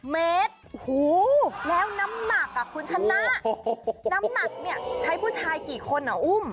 เมตรโอ้โหแล้วน้ำหนักคุณชนะน้ำหนักเนี่ยใช้ผู้ชายกี่คนอุ้ม